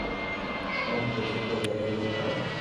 ايوہ ڀجيو ڪي او گري ھيو پر